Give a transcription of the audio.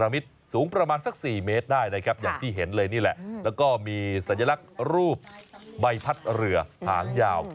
๑เมตรได้นะครับอย่างที่เห็นเลยนี่แหละแล้วก็มีสัญลักษณ์รูปใบพัดเหลือหางยาว